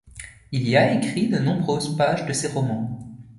Il y a écrit de nombreuses pages de ses romans.